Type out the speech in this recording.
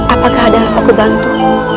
apakah ada yang harus aku bantu